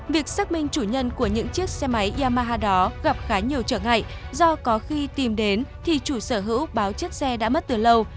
việc xác minh chủ nhân của những chiếc xe máy yamaha đó gặp khá nhiều trở ngại do có khi tìm đến thì chủ sở hữu báo chiếc xe đã mất từ lâu